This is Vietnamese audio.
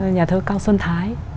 nhà thơ cao xuân thái